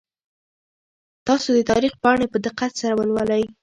تاسو د تاریخ پاڼې په دقت سره ولولئ.